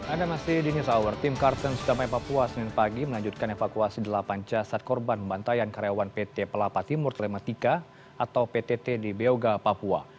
ada masih di news hour tim kartens damai papua senin pagi melanjutkan evakuasi delapan jasad korban pembantaian karyawan pt pelapa timur telematika atau ptt di beoga papua